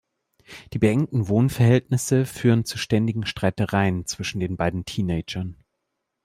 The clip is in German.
Die beengten Wohnverhältnisse führen zu ständigen Streitereien zwischen den beiden Teenagern.